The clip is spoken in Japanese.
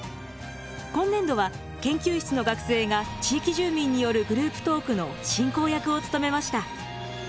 今年度は研究室の学生が地域住民によるグループトークの進行役を務めました。